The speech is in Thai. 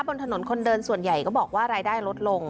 บนถนนคนเดินส่วนใหญ่ก็บอกว่ารายได้ลดลง